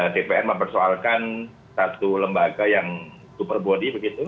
dpr mempersoalkan satu lembaga yang super body begitu